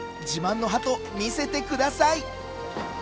自慢のハト見せてください！